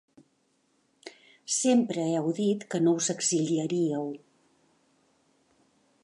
Sempre heu dit que no us exiliaríeu.